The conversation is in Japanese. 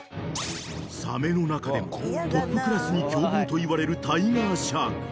［サメの中でもトップクラスに凶暴といわれるタイガーシャーク］